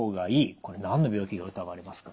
これ何の病気が疑われますか？